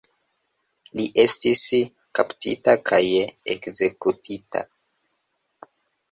Li estis kaptita kaj ekzekutita.